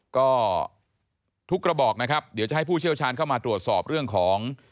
ก็ทุกกระบอกนะครับเดี๋ยวจะให้ผู้เชี่ยวชาญเข้ามาตรวจสอบเรื่องของ